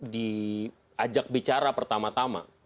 diajak bicara pertama tama